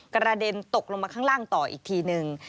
กระเด็นตกลงมาข้างล่างต่ออีกทีนึง